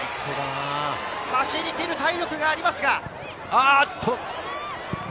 走りきる体力があります。